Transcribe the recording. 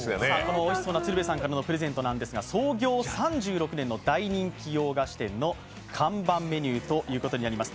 おいしそうな鶴瓶さんからのプレゼントなんですが、創業３６年の大人気洋菓子店の看板メニューということになります。